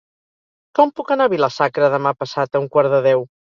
Com puc anar a Vila-sacra demà passat a un quart de deu?